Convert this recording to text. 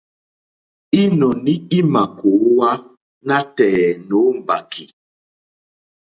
Ínɔ̀ní ímà kòówá nátɛ̀ɛ̀ nǒ mbàkì.